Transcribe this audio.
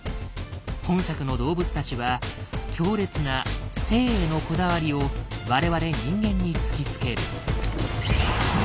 本作の動物たちは強烈な生へのこだわりを我々人間に突きつける。